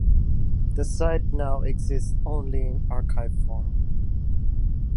The site now exists only in archive form.